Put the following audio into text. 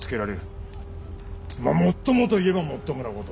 まあもっともと言えばもっともなこと。